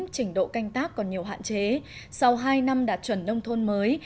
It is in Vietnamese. trình độ canh tác còn nhiều hạn chế sau hai năm đạt chuẩn nông thôn mới